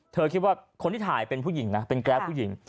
เธอคิดว่าคนที่ถ่ายเป็นผู้หญิงนะเป็นแกรฟผู้หญิง